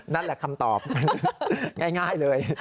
นั่นแหละคำตอบง่ายเลย